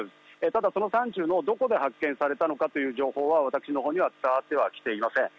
ただ、その山中のどこで発見されたのかという情報は私のほうには伝わってきていません。